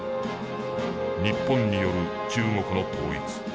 日本による中国の統一。